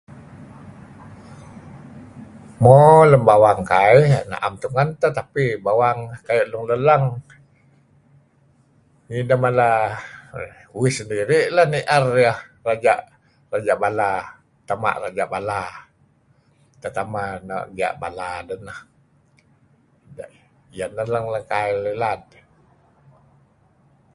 Mo lem bawang kaih na'em tungen teh tapi bawang kayu' Long Leleng, nih deh mala, uih sendiri' leh ni'er ieh. Raja', Raja' Bala. Tama' Raja' Bala. Tetameh Gia' Bala deh neh. Ieh neh leng-leng kail ilad.